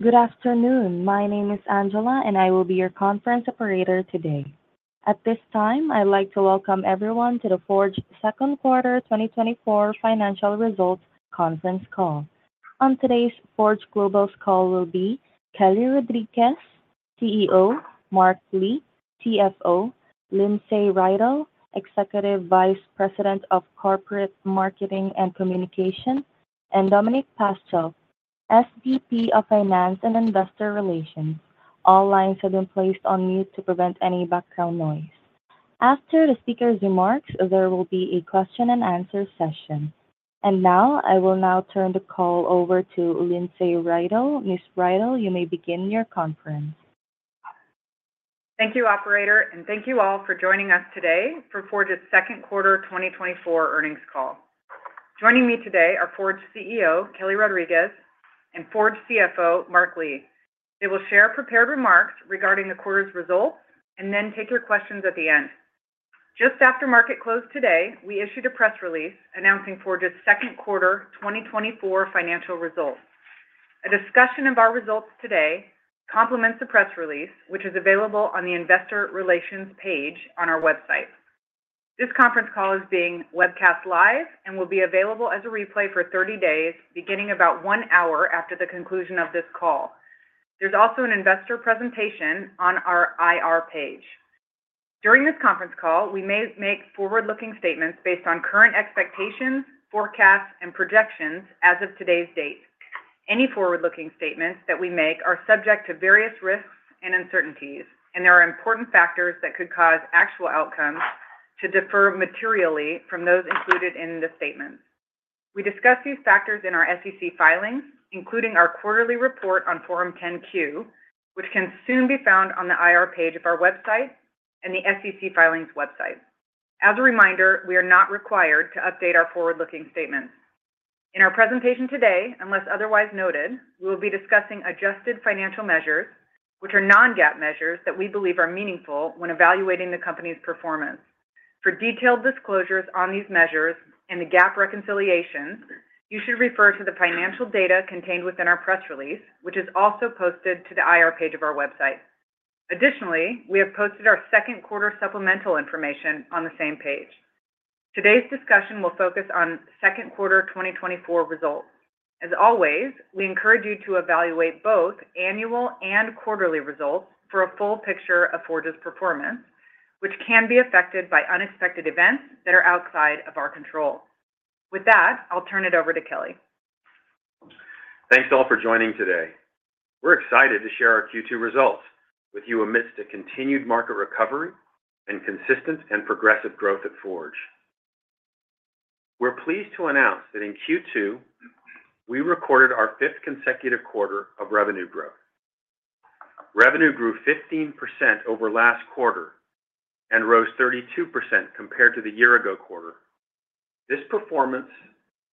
Good afternoon. My name is Angela, and I will be your conference operator today. At this time, I'd like to welcome everyone to the Forge's second quarter 2024 financial results conference call. On today's Forge Global's call will be Kelly Rodriques, CEO; Mark Lee, CFO; Lindsay Riddell, Executive Vice President of Corporate Marketing and Communication; and Dominic Paschel, SVP of Finance and Investor Relations. All lines have been placed on mute to prevent any background noise. After the speaker's remarks, there will be a question and answer session. And now, I will turn the call over to Lindsay Riddell. Ms. Riddell, you may begin your conference. Thank you, operator, and thank you all for joining us today for Forge's second quarter 2024 earnings call. Joining me today are Forge CEO Kelly Rodriques and Forge CFO Mark Lee. They will share prepared remarks regarding the quarter's results and then take your questions at the end. Just after market close today, we issued a press release announcing Forge's second quarter 2024 financial results. A discussion of our results today complements the press release, which is available on the investor relations page on our website. This conference call is being webcast live and will be available as a replay for 30 days, beginning about 1 hour after the conclusion of this call. There's also an investor presentation on our IR page. During this conference call, we may make forward-looking statements based on current expectations, forecasts, and projections as of today's date. Any forward-looking statements that we make are subject to various risks and uncertainties, and there are important factors that could cause actual outcomes to differ materially from those included in the statements. We discuss these factors in our SEC filings, including our quarterly report on Form 10-Q, which can soon be found on the IR page of our website and the SEC filings website. As a reminder, we are not required to update our forward-looking statements. In our presentation today, unless otherwise noted, we will be discussing adjusted financial measures, which are non-GAAP measures that we believe are meaningful when evaluating the company's performance. For detailed disclosures on these measures and the GAAP reconciliations, you should refer to the financial data contained within our press release, which is also posted to the IR page of our website. Additionally, we have posted our second quarter supplemental information on the same page. Today's discussion will focus on second quarter 2024 results. As always, we encourage you to evaluate both annual and quarterly results for a full picture of Forge's performance, which can be affected by unexpected events that are outside of our control. With that, I'll turn it over to Kelly. Thanks, all, for joining today. We're excited to share our Q2 results with you amidst a continued market recovery and consistent and progressive growth at Forge. We're pleased to announce that in Q2, we recorded our fifth consecutive quarter of revenue growth. Revenue grew 15% over last quarter and rose 32% compared to the year ago quarter. This performance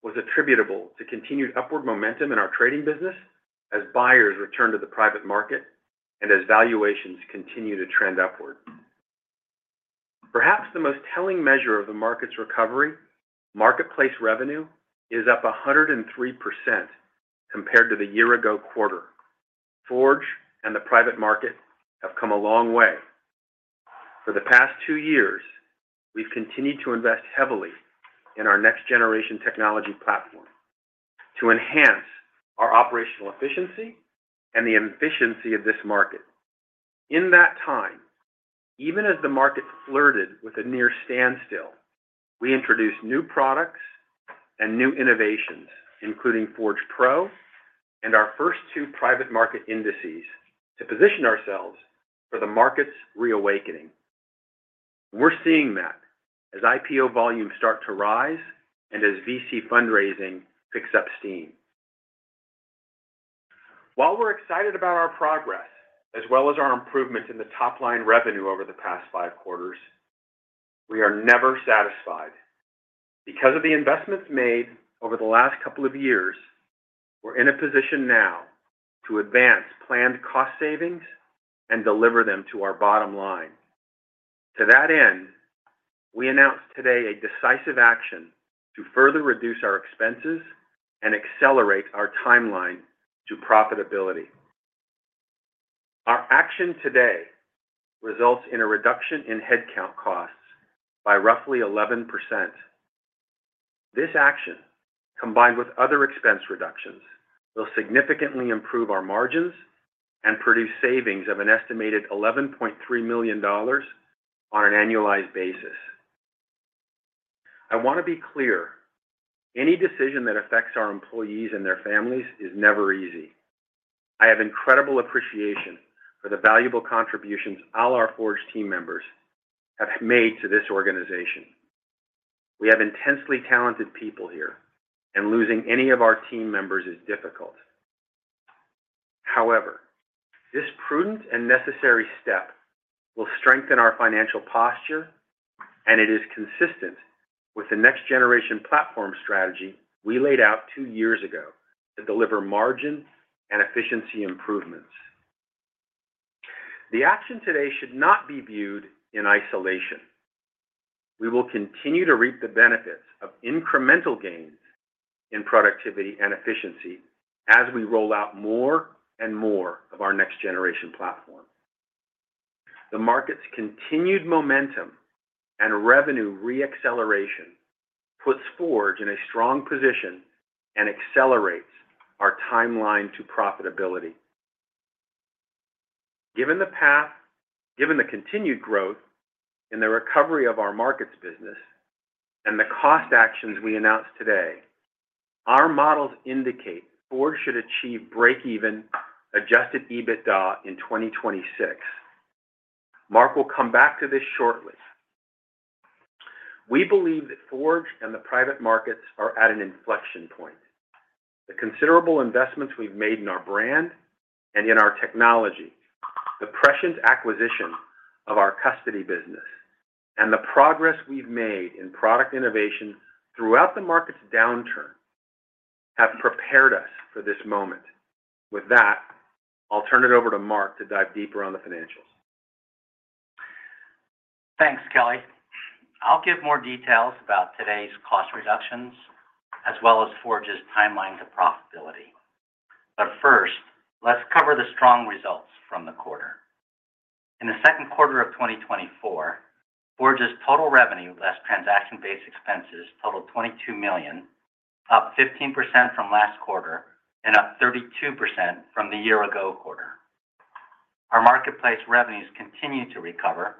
was attributable to continued upward momentum in our trading business as buyers returned to the private market and as valuations continue to trend upward. Perhaps the most telling measure of the market's recovery, marketplace revenue, is up 103% compared to the year ago quarter. Forge and the private market have come a long way. For the past 2 years, we've continued to invest heavily in our next generation technology platform to enhance our operational efficiency and the efficiency of this market. In that time, even as the market flirted with a near standstill, we introduced new products and new innovations, including Forge Pro and our first two private market indices, to position ourselves for the market's reawakening. We're seeing that as IPO volumes start to rise and as VC fundraising picks up steam. While we're excited about our progress, as well as our improvements in the top-line revenue over the past five quarters, we are never satisfied. Because of the investments made over the last couple of years, we're in a position now to advance planned cost savings and deliver them to our bottom line. To that end, we announced today a decisive action to further reduce our expenses and accelerate our timeline to profitability. Our action today results in a reduction in headcount costs by roughly 11%. This action, combined with other expense reductions, will significantly improve our margins and produce savings of an estimated $11.3 million on an annualized basis. I want to be clear, any decision that affects our employees and their families is never easy. I have incredible appreciation for the valuable contributions all our Forge team members have made to this organization. We have intensely talented people here, and losing any of our team members is difficult. However, this prudent and necessary step will strengthen our financial posture, and it is consistent with the next generation platform strategy we laid out two years ago to deliver margins and efficiency improvements. The action today should not be viewed in isolation. We will continue to reap the benefits of incremental gains in productivity and efficiency as we roll out more and more of our next-generation platform. The market's continued momentum and revenue re-acceleration puts Forge in a strong position and accelerates our timeline to profitability. Given the path, given the continued growth and the recovery of our markets business, and the cost actions we announced today, our models indicate Forge should achieve break-even Adjusted EBITDA in 2026. Mark will come back to this shortly. We believe that Forge and the private markets are at an inflection point. The considerable investments we've made in our brand and in our technology, the prescient acquisition of our custody business, and the progress we've made in product innovation throughout the market's downturn, have prepared us for this moment. With that, I'll turn it over to Mark to dive deeper on the financials. Thanks, Kelly. I'll give more details about today's cost reductions, as well as Forge's timeline to profitability. But first, let's cover the strong results from the quarter. In the second quarter of 2024, Forge's total revenue, less transaction-based expenses, totaled $22 million, up 15% from last quarter and up 32% from the year-ago quarter. Our marketplace revenues continue to recover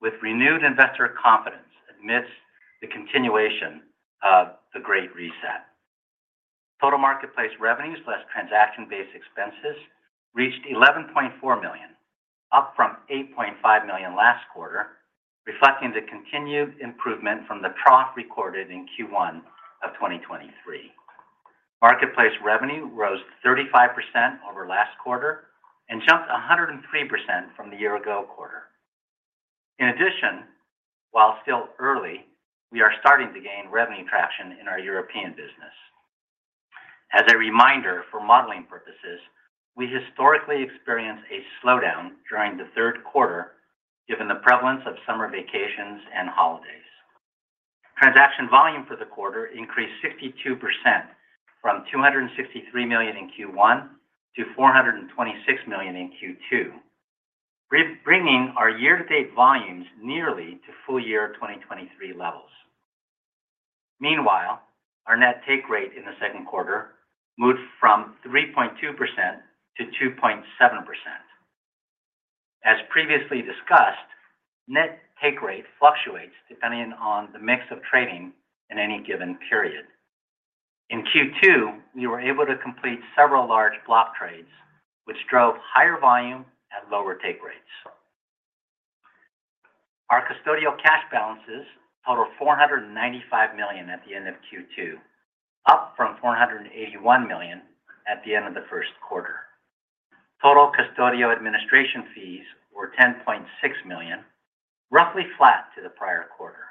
with renewed investor confidence amidst the continuation of the Great Reset. Total marketplace revenues less transaction-based expenses reached $11.4 million, up from $8.5 million last quarter, reflecting the continued improvement from the trough recorded in Q1 of 2023. Marketplace revenue rose 35% over last quarter and jumped 103% from the year-ago quarter. In addition, while still early, we are starting to gain revenue traction in our European business. As a reminder for modeling purposes, we historically experience a slowdown during the third quarter, given the prevalence of summer vacations and holidays. Transaction volume for the quarter increased 62% from $263 million in Q1 to $426 million in Q2, bringing our year-to-date volumes nearly to full year 2023 levels. Meanwhile, our net take rate in the second quarter moved from 3.2% to 2.7%. As previously discussed, net take rate fluctuates depending on the mix of trading in any given period. In Q2, we were able to complete several large block trades, which drove higher volume at lower take rates. Our custodial cash balances totaled $495 million at the end of Q2, up from $481 million at the end of the first quarter. Total custodial administration fees were $10.6 million, roughly flat to the prior quarter.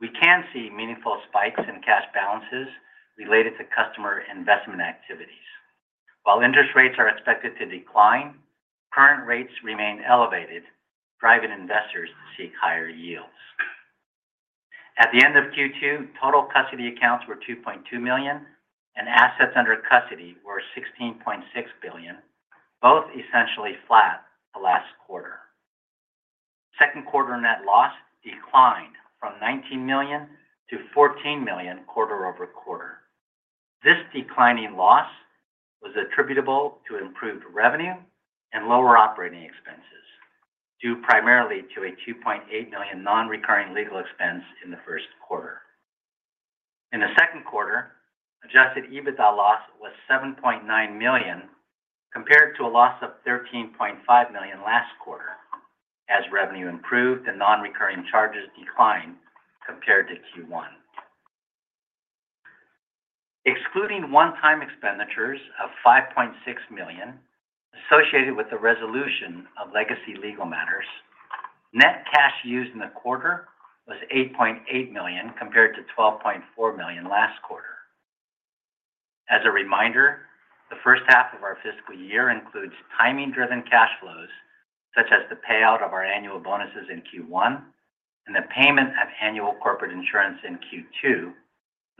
We can see meaningful spikes in cash balances related to customer investment activities. While interest rates are expected to decline, current rates remain elevated, driving investors to seek higher yields. At the end of Q2, total custody accounts were 2.2 million, and assets under custody were $16.6 billion, both essentially flat the last quarter. Second quarter net loss declined from $19 million-$14 million quarter-over-quarter. This declining loss was attributable to improved revenue and lower operating expenses, due primarily to a $2.8 million non-recurring legal expense in the first quarter. In the second quarter, Adjusted EBITDA loss was $7.9 million, compared to a loss of $13.5 million last quarter. As revenue improved, the non-recurring charges declined compared to Q1. Excluding one-time expenditures of $5.6 million associated with the resolution of legacy legal matters, net cash used in the quarter was $8.8 million, compared to $12.4 million last quarter. As a reminder, the first half of our fiscal year includes timing-driven cash flows, such as the payout of our annual bonuses in Q1 and the payment of annual corporate insurance in Q2,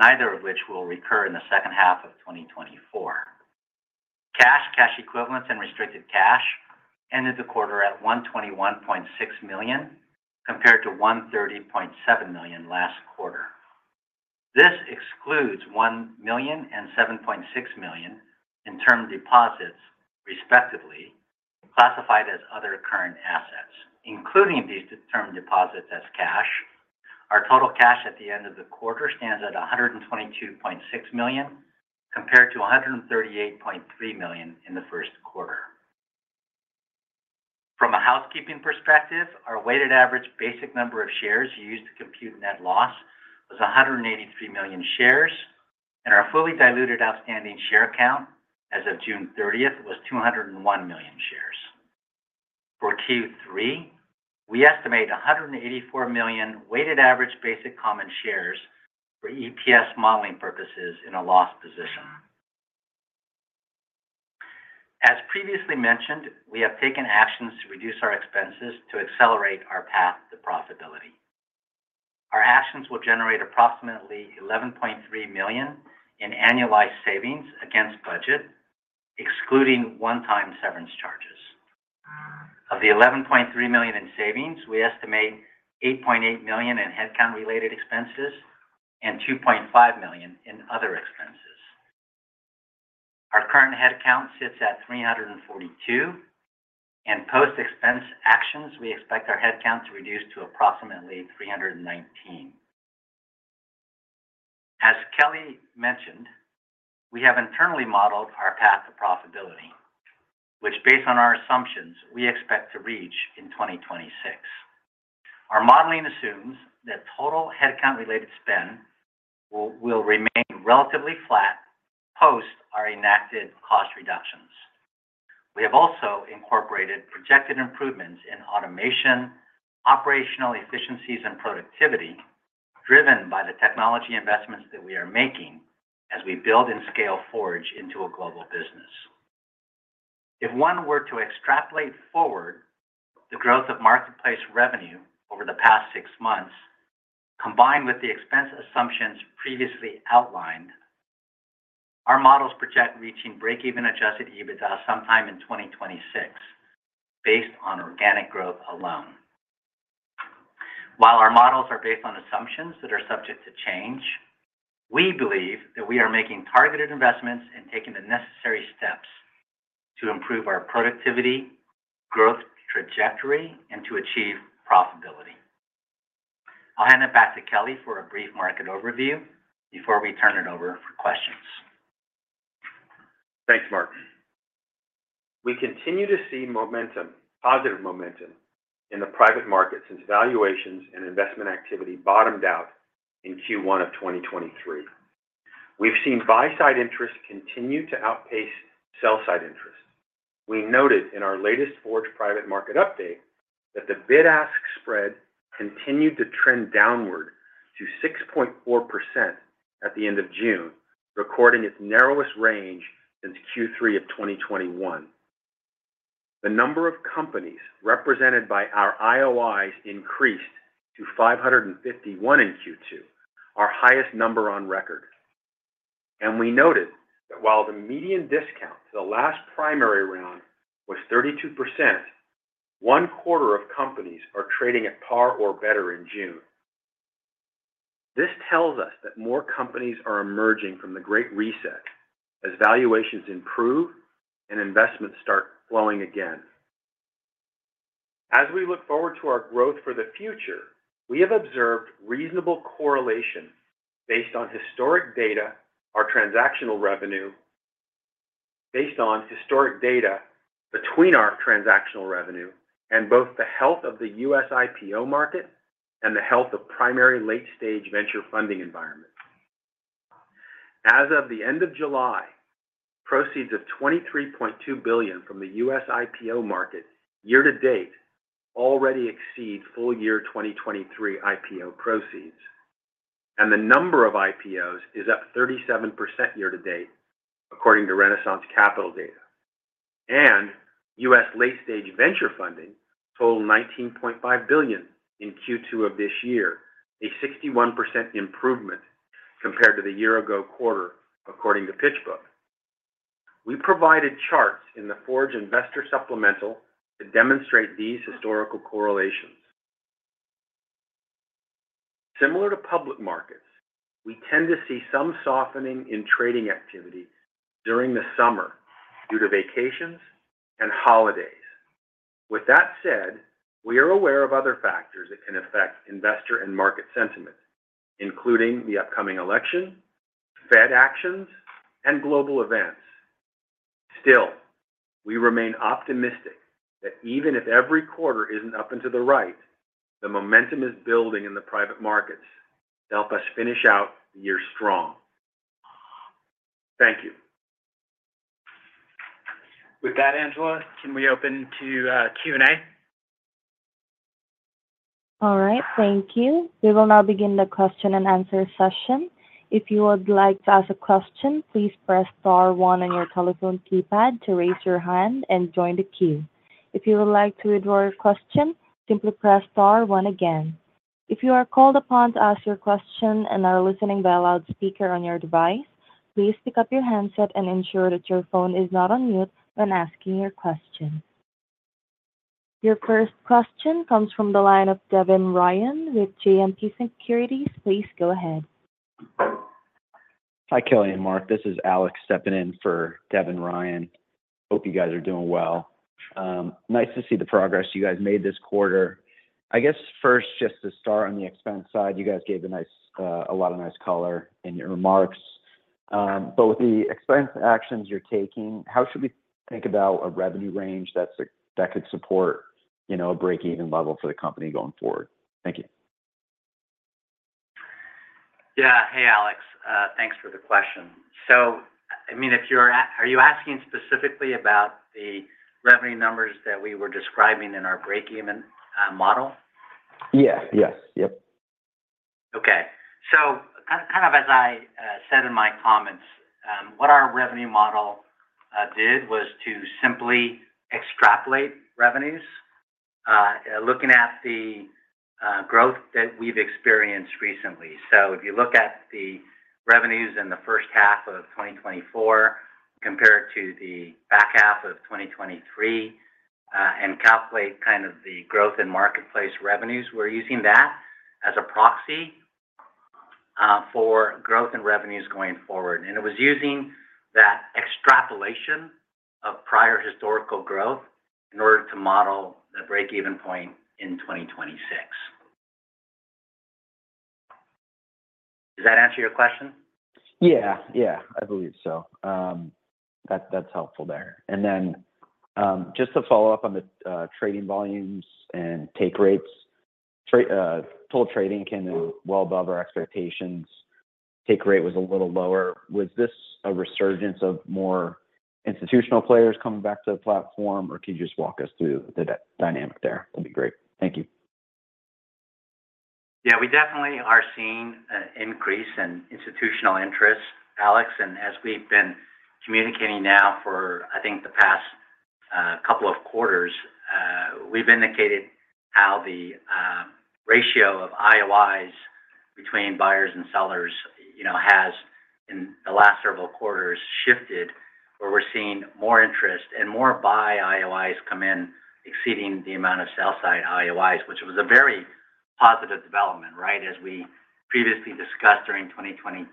neither of which will recur in the second half of 2024. Cash, cash equivalents, and restricted cash ended the quarter at $121.6 million, compared to $130.7 million last quarter. This excludes $1 million and $7.6 million in term deposits, respectively, classified as other current assets. Including these term deposits as cash, our total cash at the end of the quarter stands at $122.6 million, compared to $138.3 million in the first quarter. From a housekeeping perspective, our weighted average basic number of shares used to compute net loss was 183 million shares, and our fully diluted outstanding share count as of June 30 was 201 million shares. For Q3, we estimate 184 million weighted average basic common shares for EPS modeling purposes in a loss position. As previously mentioned, we have taken actions to reduce our expenses to accelerate our path to profitability. Our actions will generate approximately $11.3 million in annualized savings against budget, excluding one-time severance charges. Of the $11.3 million in savings, we estimate $8.8 million in headcount-related expenses and $2.5 million in other expenses. Our current headcount sits at 342, and post-expense actions, we expect our headcount to reduce to approximately 319. As Kelly mentioned, we have internally modeled our path to profitability, which based on our assumptions, we expect to reach in 2026. Our modeling assumes that total headcount-related spend will remain relatively flat post our enacted cost reductions. We have also incorporated projected improvements in automation, operational efficiencies, and productivity, driven by the technology investments that we are making as we build and scale Forge into a global business. If one were to extrapolate forward the growth of marketplace revenue over the past six months, combined with the expense assumptions previously outlined, our models project reaching break-even Adjusted EBITDA sometime in 2026, based on organic growth alone. While our models are based on assumptions that are subject to change, we believe that we are making targeted investments and taking the necessary steps to improve our productivity, growth trajectory, and to achieve profitability. I'll hand it back to Kelly for a brief market overview before we turn it over for questions. Thanks, Mark. We continue to see momentum, positive momentum, in the private market since valuations and investment activity bottomed out in Q1 of 2023. We've seen buy-side interest continue to outpace sell-side interest. We noted in our latest Forge Private Market Update that the bid-ask spread continued to trend downward to 6.4% at the end of June, recording its narrowest range since Q3 of 2021. The number of companies represented by our IOIs increased to 551 in Q2, our highest number on record. We noted that while the median discount to the last primary round was 32%, one quarter of companies are trading at par or better in June. This tells us that more companies are emerging from the Great Reset as valuations improve and investments start flowing again. As we look forward to our growth for the future, we have observed reasonable correlation based on historic data, our transactional revenue... Based on historic data between our transactional revenue and both the health of the U.S. IPO market and the health of primary late-stage venture funding environment. As of the end of July, proceeds of $23.2 billion from the U.S. IPO market year to date already exceed full-year 2023 IPO proceeds, and the number of IPOs is up 37% year to date, according to Renaissance Capital data. And U.S. late-stage venture funding totaled $19.5 billion in Q2 of this year, a 61% improvement compared to the year-ago quarter, according to PitchBook. We provided charts in the Forge investor supplemental to demonstrate these historical correlations. Similar to public markets, we tend to see some softening in trading activity during the summer due to vacations and holidays. With that said, we are aware of other factors that can affect investor and market sentiment, including the upcoming election, Fed actions, and global events. Still, we remain optimistic that even if every quarter isn't up and to the right, the momentum is building in the private markets to help us finish out the year strong. Thank you. With that, Angela, can we open to Q&A? All right, thank you. We will now begin the question and answer session. If you would like to ask a question, please press star one on your telephone keypad to raise your hand and join the queue. If you would like to withdraw your question, simply press star one again. If you are called upon to ask your question and are listening by a loud speaker on your device, please pick up your handset and ensure that your phone is not on mute when asking your question. Your first question comes from the line of Devin Ryan with JMP Securities. Please go ahead. Hi, Kelly and Mark, this is Alex stepping in for Devin Ryan. Hope you guys are doing well. Nice to see the progress you guys made this quarter. I guess first, just to start on the expense side, you guys gave a nice, a lot of nice color in your remarks. But with the expense actions you're taking, how should we think about a revenue range that's, that could support, you know, a break-even level for the company going forward? Thank you.... Yeah. Hey, Alex, thanks for the question. So, I mean, if you're asking specifically about the revenue numbers that we were describing in our breakeven model? Yes. Yes. Yep. Okay. So kind of as I said in my comments, what our revenue model did was to simply extrapolate revenues, looking at the growth that we've experienced recently. So if you look at the revenues in the first half of 2024 compared to the back half of 2023, and calculate kind of the growth in marketplace revenues, we're using that as a proxy for growth in revenues going forward. And it was using that extrapolation of prior historical growth in order to model the breakeven point in 2026. Does that answer your question? Yeah. Yeah, I believe so. That's, that's helpful there. And then, just to follow up on the trading volumes and take rates, total trading came in well above our expectations. Take rate was a little lower. Was this a resurgence of more institutional players coming back to the platform, or could you just walk us through the dynamic there? That'd be great. Thank you. Yeah, we definitely are seeing an increase in institutional interest, Alex. And as we've been communicating now for, I think, the past couple of quarters, we've indicated how the ratio of IOIs between buyers and sellers, you know, has, in the last several quarters, shifted, where we're seeing more interest and more buy IOIs come in, exceeding the amount of sell-side IOIs, which was a very positive development, right? As we previously discussed, during 2022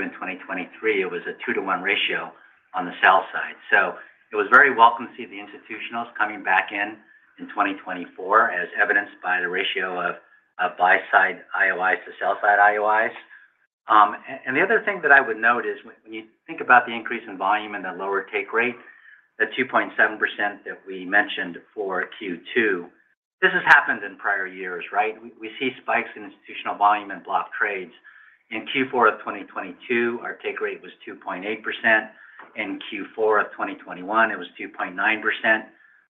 and 2023, it was a 2-to-1 ratio on the sell side. So it was very welcome to see the institutionals coming back in, in 2024, as evidenced by the ratio of buy-side IOIs to sell-side IOIs. And the other thing that I would note is, when you think about the increase in volume and the lower take rate, the 2.7% that we mentioned for Q2, this has happened in prior years, right? We see spikes in institutional volume and block trades. In Q4 of 2022, our take rate was 2.8%. In Q4 of 2021, it was 2.9%.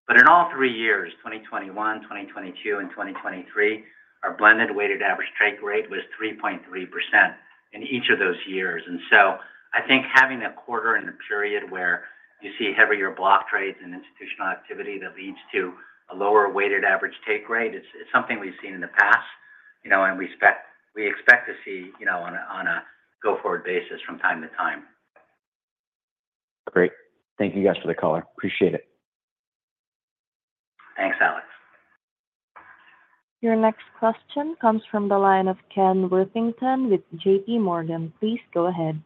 But in all three years, 2021, 2022, and 2023, our blended weighted average take rate was 3.3% in each of those years. I think having a quarter in a period where you see heavier block trades and institutional activity that leads to a lower weighted average take rate, it's something we've seen in the past, you know, and we expect, we expect to see, you know, on a go-forward basis from time to time. Great. Thank you guys for the color. Appreciate it. Thanks, Alex. Your next question comes from the line of Ken Worthington with J.P. Morgan. Please go ahead.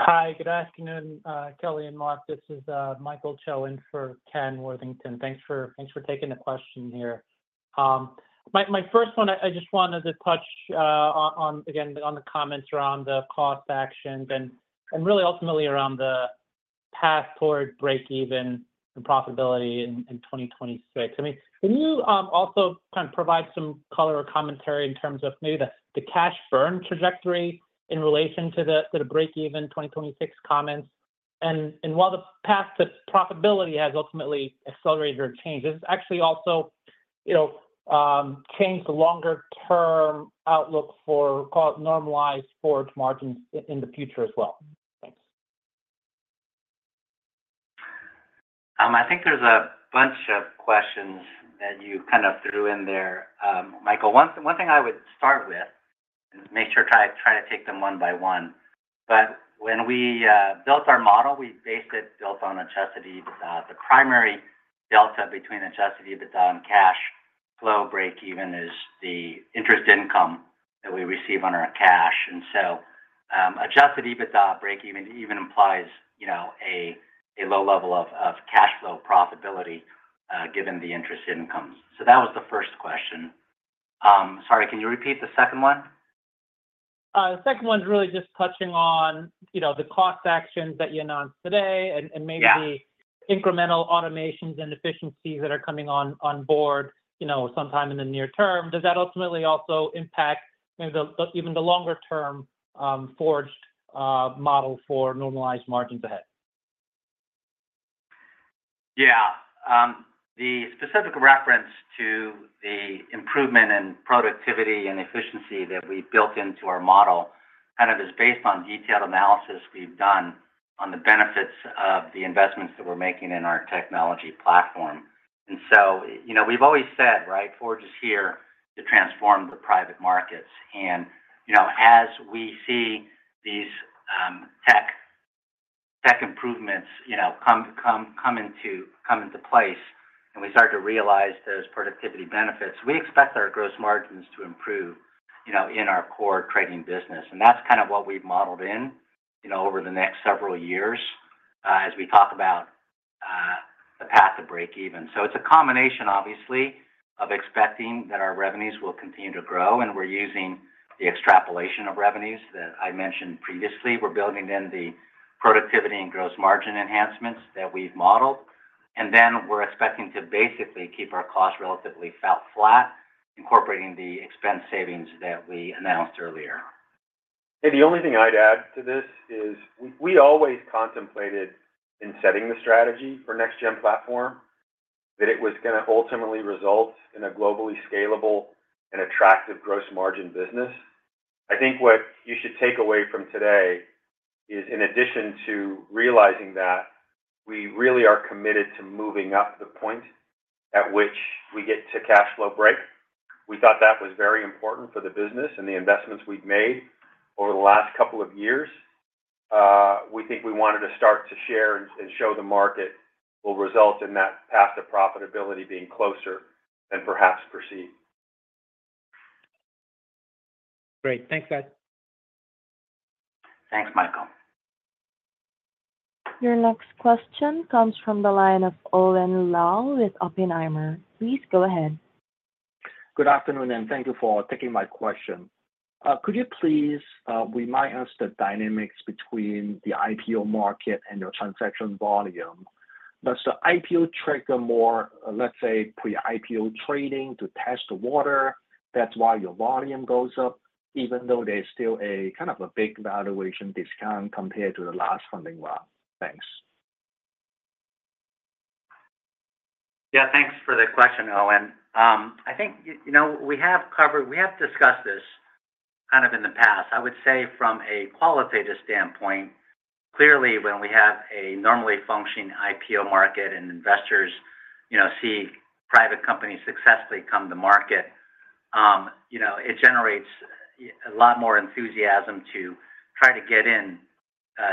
Hi, good afternoon, Kelly and Mark. This is Michael Cho in for Ken Worthington. Thanks for taking the question here. My first one, I just wanted to touch on again the comments around the cost actions and really ultimately around the path toward breakeven and profitability in 2026. I mean, can you also kind of provide some color or commentary in terms of maybe the cash burn trajectory in relation to the breakeven 2026 comments? And while the path to profitability has ultimately accelerated or changed, this is actually also, you know, changed the longer-term outlook for normalized Forge's margins in the future as well. Thanks. I think there's a bunch of questions that you kind of threw in there. Michael, one thing I would start with, and make sure try to take them one by one, but when we built our model, we based it built on Adjusted EBITDA. The primary delta between Adjusted EBITDA and cash flow breakeven is the interest income that we receive on our cash. And so, Adjusted EBITDA breakeven even implies, you know, a low level of cash flow profitability, given the interest incomes. So that was the first question. Sorry, can you repeat the second one? The second one's really just touching on, you know, the cost actions that you announced today- Yeah... and maybe the incremental automations and efficiencies that are coming on board, you know, sometime in the near term. Does that ultimately also impact maybe the even longer-term Forge model for normalized margins ahead? Yeah. The specific reference to the improvement in productivity and efficiency that we built into our model kind of is based on detailed analysis we've done on the benefits of the investments that we're making in our technology platform. And so, you know, we've always said, right, Forge is here to transform the private markets. And, you know, as we see these tech improvements, you know, come into place, and we start to realize those productivity benefits, we expect our gross margins to improve, you know, in our core trading business. And that's kind of what we've modeled in, you know, over the next several years, as we talk about the path to breakeven. So it's a combination, obviously, of expecting that our revenues will continue to grow, and we're using the extrapolation of revenues that I mentioned previously. We're building in the productivity and gross margin enhancements that we've modeled... and then we're expecting to basically keep our costs relatively flat, incorporating the expense savings that we announced earlier. Hey, the only thing I'd add to this is we always contemplated in setting the strategy for next-gen platform, that it was gonna ultimately result in a globally scalable and attractive gross margin business. I think what you should take away from today is, in addition to realizing that, we really are committed to moving up the point at which we get to cash flow break. We thought that was very important for the business and the investments we've made over the last couple of years. We think we wanted to start to share and show the market will result in that path to profitability being closer than perhaps perceived. Great. Thanks, guys. Thanks, Michael. Your next question comes from the line of Owen Lau with Oppenheimer. Please go ahead. Good afternoon, and thank you for taking my question. Could you please remind us the dynamics between the IPO market and your transaction volume? Does the IPO trigger more, let's say, pre-IPO trading to test the water, that's why your volume goes up, even though there's still a kind of a big valuation discount compared to the last funding round? Thanks. Yeah, thanks for the question, Owen. I think you know we have discussed this kind of in the past. I would say from a qualitative standpoint, clearly, when we have a normally functioning IPO market and investors you know see private companies successfully come to market, you know, it generates a lot more enthusiasm to try to get in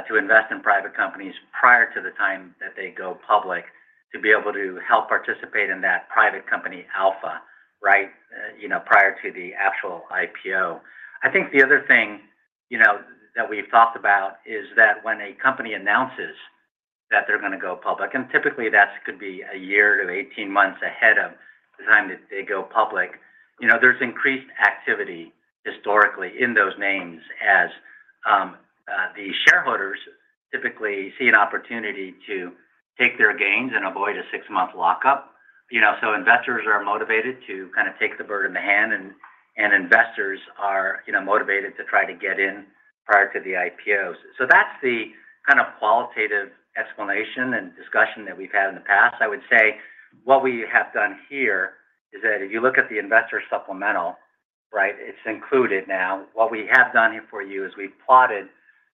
to invest in private companies prior to the time that they go public, to be able to help participate in that private company alpha, right? You know, prior to the actual IPO. I think the other thing, you know, that we've talked about is that when a company announces that they're gonna go public, and typically that could be a year to 18 months ahead of the time that they go public, you know, there's increased activity historically in those names as the shareholders typically see an opportunity to take their gains and avoid a six-month lockup. You know, so investors are motivated to kind of take the bird in the hand, and investors are, you know, motivated to try to get in prior to the IPOs. So that's the kind of qualitative explanation and discussion that we've had in the past. I would say what we have done here is that if you look at the investor supplemental, right, it's included now. What we have done here for you is we've plotted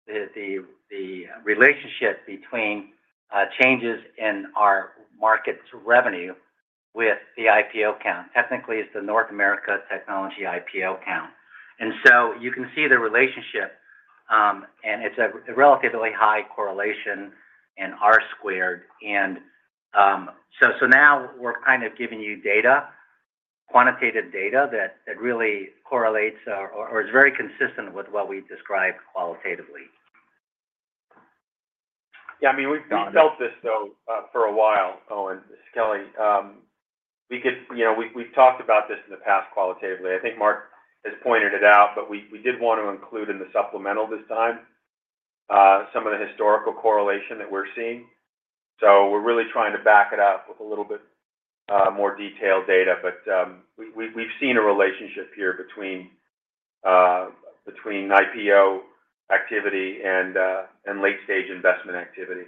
the relationship between changes in our markets revenue with the IPO count. Technically, it's the North America technology IPO count. And so you can see the relationship, and it's a relatively high correlation in R squared. So now we're kind of giving you data, quantitative data, that really correlates or is very consistent with what we've described qualitatively. Yeah, I mean, we've felt this, though, for a while, Owen, Kelly. You know, we've talked about this in the past qualitatively. I think Mark has pointed it out, but we did want to include in the supplemental this time some of the historical correlation that we're seeing. So we're really trying to back it up with a little bit more detailed data. But we've seen a relationship here between IPO activity and late-stage investment activity.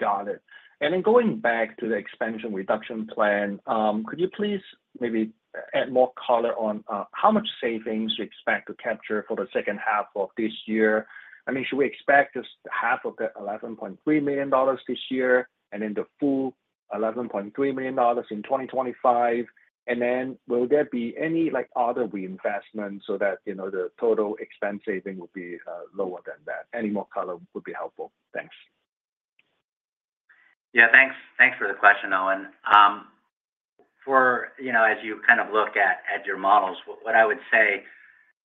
Got it. And then going back to the expansion reduction plan, could you please maybe add more color on how much savings you expect to capture for the second half of this year? I mean, should we expect just half of the $11.3 million this year and then the full $11.3 million in 2025? And then will there be any, like, other reinvestment so that, you know, the total expense saving will be lower than that? Any more color would be helpful. Thanks. Yeah, thanks. Thanks for the question, Owen. You know, as you kind of look at, at your models, what I would say,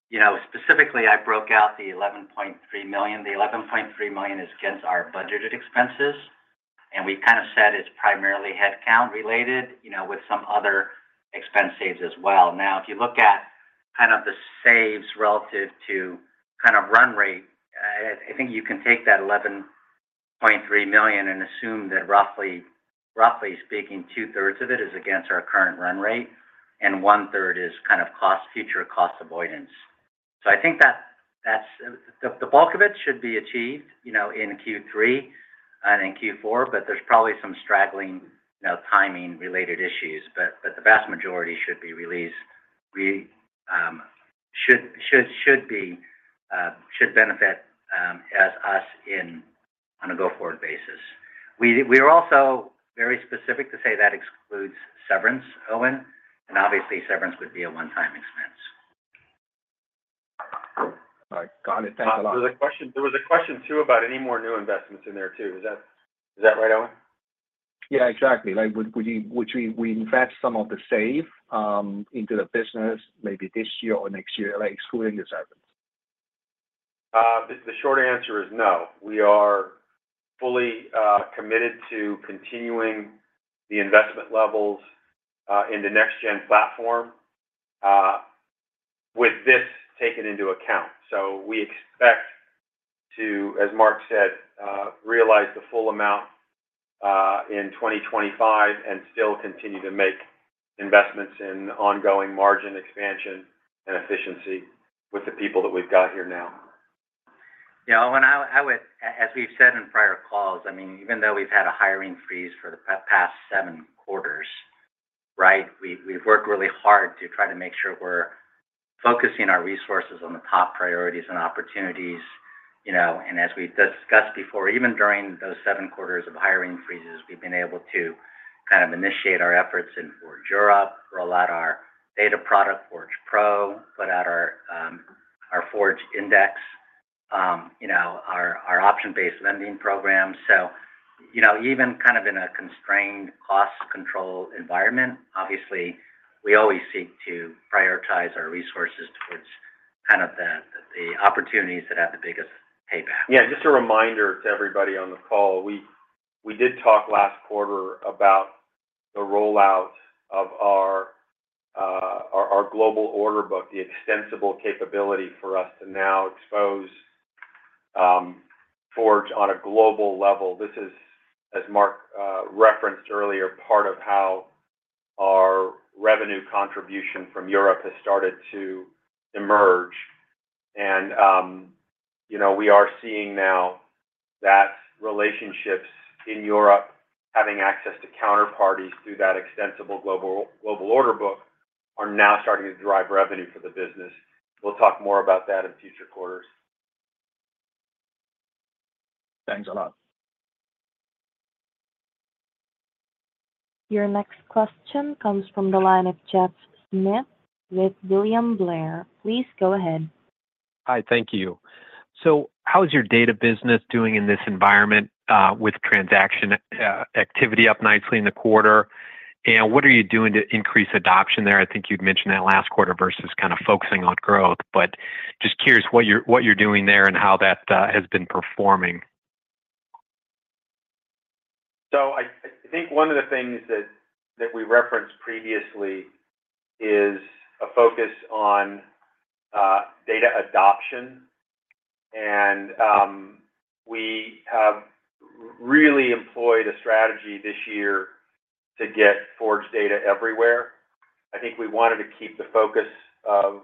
you know, specifically, I broke out the $11.3 million. The $11.3 million is against our budgeted expenses, and we've kind of said it's primarily headcount related, you know, with some other expense saves as well. Now, if you look at kind of the saves relative to kind of run rate, I think you can take that $11.3 million and assume that roughly, roughly speaking, two-thirds of it is against our current run rate, and one-third is kind of cost, future cost avoidance. So I think that's the bulk of it should be achieved, you know, in Q3 and in Q4, but there's probably some straggling, you know, timing-related issues. But the vast majority should be released. We should benefit as we see it on a go-forward basis. We were also very specific to say that excludes severance, Owen, and obviously, severance would be a one-time expense. All right. Got it. Thanks a lot. There was a question, there was a question, too, about any more new investments in there, too. Is that, is that right, Owen? Yeah, exactly. Like, would we, would we reinvest some of the savings into the business maybe this year or next year, like excluding the severance? The short answer is no. We are fully committed to continuing the investment levels in the next gen platform with this taken into account. So we expect to, as Mark said, realize the full amount in 2025, and still continue to make investments in ongoing margin expansion and efficiency with the people that we've got here now. You know, as we've said in prior calls, I mean, even though we've had a hiring freeze for the past seven quarters, right? We've worked really hard to try to make sure we're focusing our resources on the top priorities and opportunities, you know. And as we've discussed before, even during those seven quarters of hiring freezes, we've been able to kind of initiate our efforts in Forge Europe, roll out our data product, Forge Pro, put out our Forge Index, you know, our option-based lending program. So, you know, even kind of in a constrained cost control environment, obviously, we always seek to prioritize our resources towards kind of the opportunities that have the biggest payback. Yeah, just a reminder to everybody on the call, we did talk last quarter about the rollout of our global order book, the extensible capability for us to now expose Forge on a global level. This is, as Mark referenced earlier, part of how our revenue contribution from Europe has started to emerge. And, you know, we are seeing now that relationships in Europe, having access to counterparties through that extensible global order book, are now starting to drive revenue for the business. We'll talk more about that in future quarters. Thanks a lot. Your next question comes from the line of Jeff Schmitt with William Blair. Please go ahead. Hi, thank you. So how is your data business doing in this environment, with transaction activity up nicely in the quarter? And what are you doing to increase adoption there? I think you'd mentioned that last quarter versus kind of focusing on growth, but just curious what you're doing there and how that has been performing. So I think one of the things that we referenced previously is a focus on data adoption, and we have really employed a strategy this year to get Forge Data everywhere. I think we wanted to keep the focus of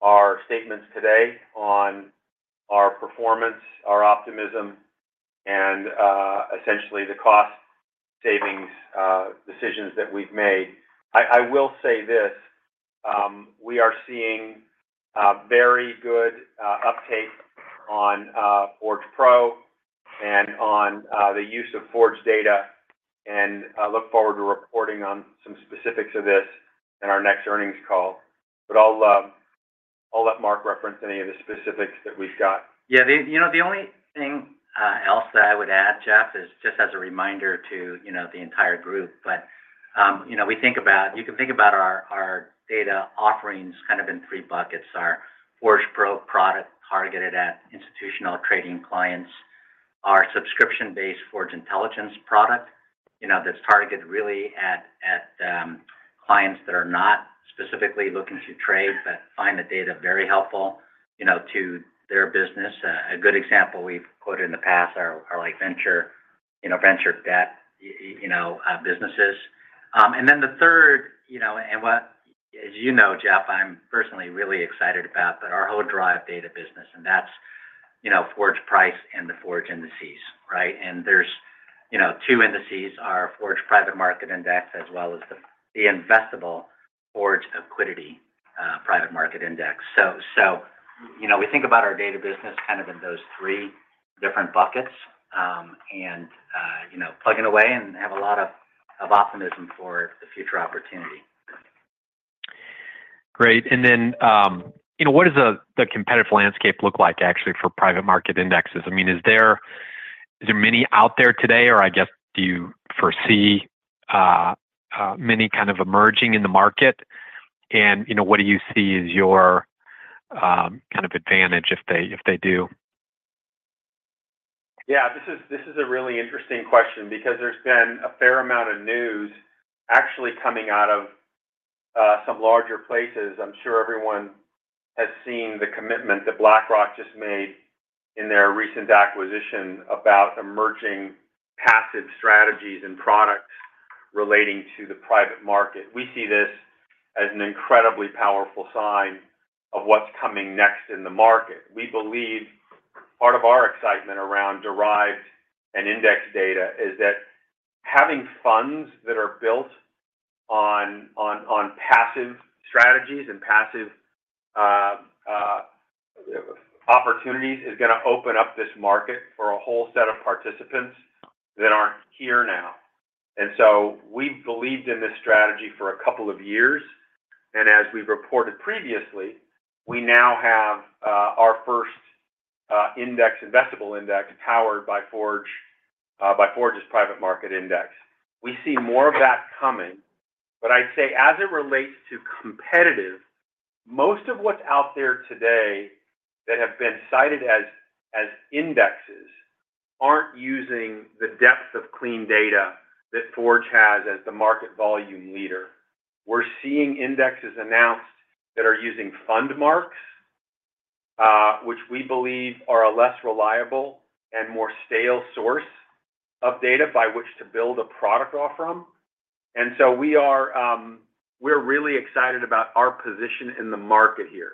our statements today on our performance, our optimism, and essentially the cost savings decisions that we've made. I will say this, we are seeing a very good uptake on Forge Pro and on the use of Forge Data, and I look forward to reporting on some specifics of this in our next earnings call. But I'll let Mark reference any of the specifics that we've got. Yeah, you know, the only thing else that I would add, Jeff, is just as a reminder to, you know, the entire group. But you know, we think about. You can think about our data offerings kind of in three buckets: our Forge Pro product, targeted at institutional trading clients, our subscription-based Forge Intelligence product, you know, that's targeted really at clients that are not specifically looking to trade but find the data very helpful, you know, to their business. A good example we've quoted in the past are like venture, you know, venture debt businesses. And then the third, you know, and what, as you know, Jeff, I'm personally really excited about, but our whole derived data business, and that's, you know, Forge Price and the Forge Indices, right? And there's, you know, two indices, our Forge Private Market Index, as well as the investable Forge Accuidity Private Market Index. So, you know, we think about our data business kind of in those three different buckets, and, you know, plugging away and have a lot of optimism for the future opportunity. Great. And then, you know, what does the competitive landscape look like actually for private market indexes? I mean, are there many out there today, or I guess, do you foresee many kind of emerging in the market? And, you know, what do you see as your kind of advantage if they do? Yeah, this is, this is a really interesting question because there's been a fair amount of news actually coming out of some larger places. I'm sure everyone has seen the commitment that BlackRock just made in their recent acquisition about emerging passive strategies and products relating to the private market. We see this as an incredibly powerful sign of what's coming next in the market. We believe part of our excitement around derived and index data is that having funds that are built on passive strategies and passive opportunities is gonna open up this market for a whole set of participants that aren't here now. And so we've believed in this strategy for a couple of years, and as we've reported previously, we now have our first index, investable index, powered by Forge, by Forge's Private Market Index. We see more of that coming, but I'd say as it relates to competitive, most of what's out there today that have been cited as indexes aren't using the depth of clean data that Forge has as the market volume leader. We're seeing indexes announced that are using fund marks, which we believe are a less reliable and more stale source of data by which to build a product off from. And so we're really excited about our position in the market here.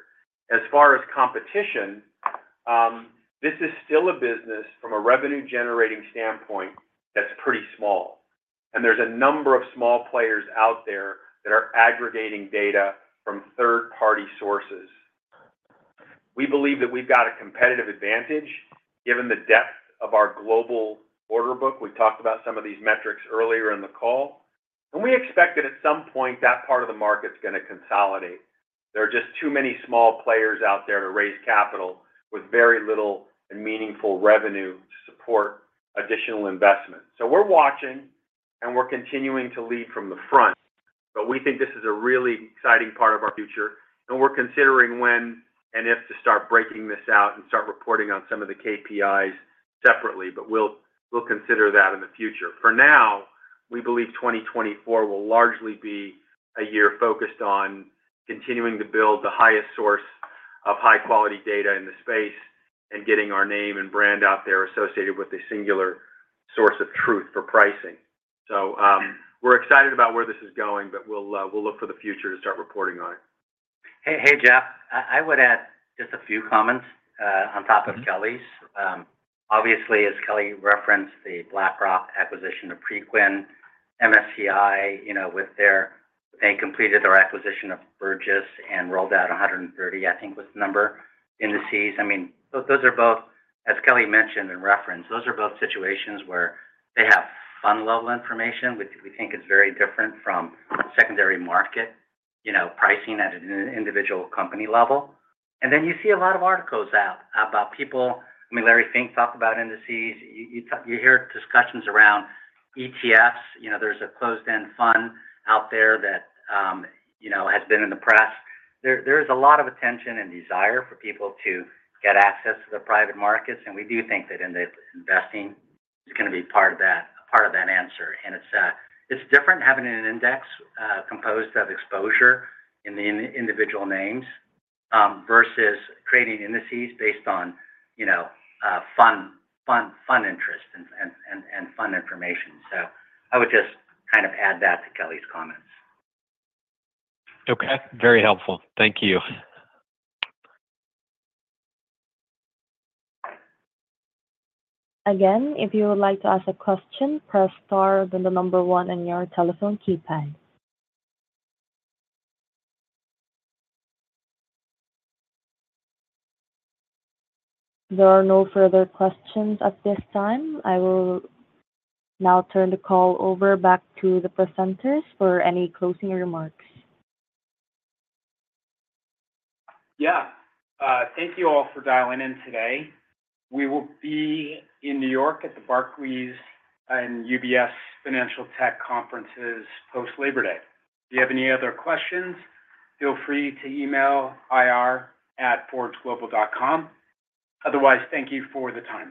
As far as competition, this is still a business from a revenue-generating standpoint that's pretty small, and there's a number of small players out there that are aggregating data from third-party sources. We believe that we've got a competitive advantage, given the depth of our global order book. We talked about some of these metrics earlier in the call. We expect that at some point, that part of the market's gonna consolidate. There are just too many small players out there to raise capital, with very little and meaningful revenue to support additional investment. So we're watching, and we're continuing to lead from the front, but we think this is a really exciting part of our future, and we're considering when and if to start breaking this out and start reporting on some of the KPIs separately, but we'll, we'll consider that in the future. For now, we believe 2024 will largely be a year focused on continuing to build the highest source of high-quality data in the space and getting our name and brand out there associated with a singular source of truth for pricing. So, we're excited about where this is going, but we'll look for the future to start reporting on it. Hey, hey, Jeff. I would add just a few comments on top of Kelly's. Obviously, as Kelly referenced, the BlackRock acquisition of Preqin, MSCI, you know, with their-- they completed their acquisition of Burgiss and rolled out 130, I think was the number, indices. I mean, those are both. As Kelly mentioned in reference, those are both situations where they have fund-level information, which we think is very different from secondary market, you know, pricing at an individual company level. And then you see a lot of articles out about people, I mean, Larry Fink talked about indices. You hear discussions around ETFs. You know, there's a closed-end fund out there that, you know, has been in the press. There's a lot of attention and desire for people to get access to the private markets, and we do think that index investing is gonna be part of that, a part of that answer. And it's different having an index composed of exposure in individual names versus creating indices based on, you know, fund interest and fund information. So I would just kind of add that to Kelly's comments. Okay. Very helpful. Thank you. Again, if you would like to ask a question, press star, then the number one on your telephone keypad. There are no further questions at this time. I will now turn the call over back to the presenters for any closing remarks. Yeah. Thank you all for dialing in today. We will be in New York at the Barclays and UBS Financial Tech conferences post-Labor Day. If you have any other questions, feel free to email ir@forgeglobal.com. Otherwise, thank you for the time.